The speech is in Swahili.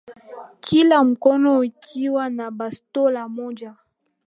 Kila mkono ukiwa na bastola moja